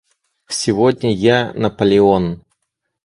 Сегодня я – Наполеон!